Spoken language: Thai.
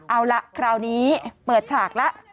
เอาละคราวนี้เปิดฉากแล้ว